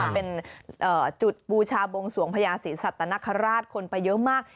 เป็นจุดบูชาบงสวงพญาศรีสัตนคราชคนไปเยอะมาก